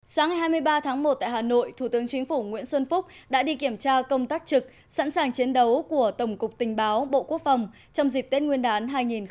sáng hai mươi ba tháng một tại hà nội thủ tướng chính phủ nguyễn xuân phúc đã đi kiểm tra công tác trực sẵn sàng chiến đấu của tổng cục tình báo bộ quốc phòng trong dịp tết nguyên đán hai nghìn một mươi chín